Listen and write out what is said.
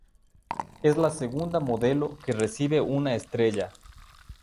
Es la segunda modelo que recibe una estrella.